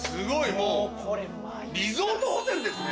もうリゾートホテルですね。